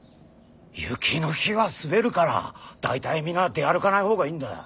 雪の日は滑るから大体皆出歩かない方がいいんだよ。